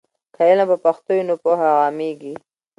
که علم په پښتو وي نو پوهه عامېږي.